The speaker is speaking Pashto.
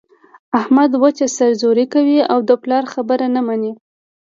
احمد وچه سر زوري کوي او د پلار خبره نه مني.